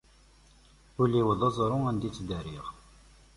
Illu-iw, d aẓru anda i ttdariɣ.